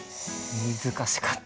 難しかった。